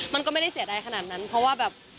มันก็ไม่ได้เสียดายขนาดนั้นเพราะว่าแบบ